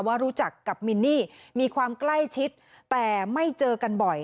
ว่ารู้จักกับมินนี่มีความใกล้ชิดแต่ไม่เจอกันบ่อย